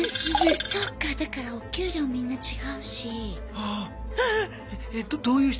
そっかだからお給料みんな違うし。